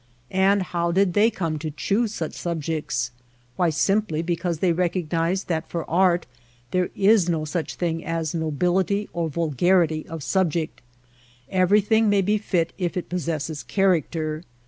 And how did they come to choose such sub jects ? Why, simply because they recognized that for art there is no such thing as nobility or vulgarity of subject. Everything may be fit if it possesses character.